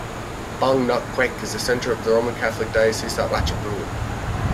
Bang Nok Khwaek is the centre of the Roman Catholic Diocese of Ratchaburi.